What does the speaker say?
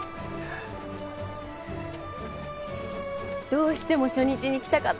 どうしても初日に来たかったの。